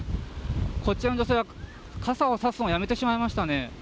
こちらの女性は傘をさすのをやめてしまいましたね。